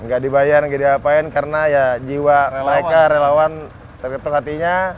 gak dibayar nggak diapain karena ya jiwa mereka relawan tergantung hatinya